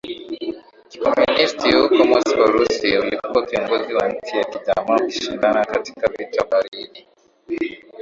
kikomunisti huko MoscowUrusi ulikuwa kiongozi wa nchi za kijamaa ukishindana katika vita baridi